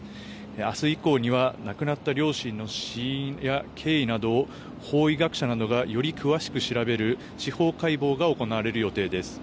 明日以降には、亡くなった両親の死因や経緯などを法医学者などがより詳しく調べる司法解剖が行われる予定です。